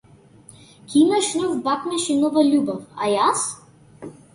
Ќе имаш нов бакнеж и нова љубов, а јас?